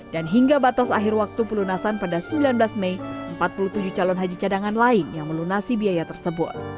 dan hingga batas akhir waktu pelunasan pada sembilan belas mei empat puluh tujuh calon haji cadangan lain yang melunasi biaya tersebut